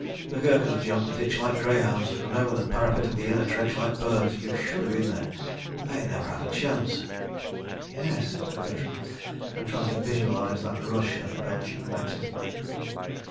The Gurkhas jumped the ditch like greyhounds and over the parapet of the inner trench like birds. ... You should ha' been there. ... They never had a chance. ..." "Yes," said Bertram, and tried to visualise that rush at the belching Maxim.